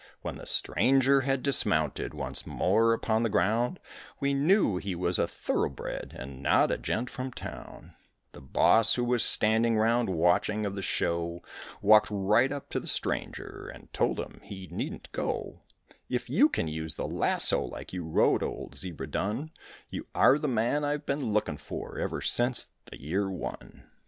When the stranger had dismounted once more upon the ground, We knew he was a thoroughbred and not a gent from town; The boss who was standing round watching of the show, Walked right up to the stranger and told him he needn't go, "If you can use the lasso like you rode old Zebra Dun, You are the man I've been looking for ever since the year one."